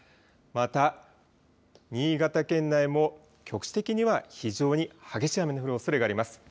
また、新潟県内も局地的には非常に激しい雨の降るおそれがあります。